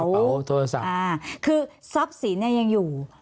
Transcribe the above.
กระเป๋าโทรศัพท์คือทรัพย์ศิลป์เนี่ยยังอยู่